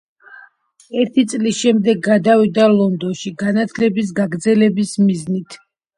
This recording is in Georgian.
ერთი წლის შემდეგ გადავიდა ლონდონში, განათლების გაგრძელების მიზნით.